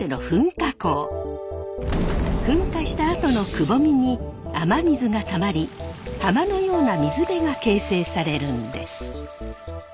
噴火したあとのくぼみに雨水がたまり浜のような水辺が形成されるんです。